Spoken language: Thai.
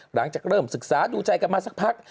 หลังจากเริ่มศึกษาดูใจกันมาสักพัก